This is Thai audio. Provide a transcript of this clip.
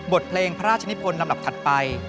บทเพลงพระราชนิพลลำดับถัดไป